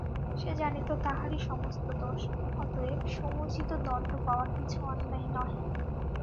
সে জানিত তাহারই সমস্ত দোষ, অতএব সমুচিত দণ্ড পাওয়া কিছু অন্যায় নহে।